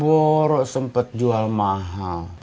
boroboro sempet jual mahal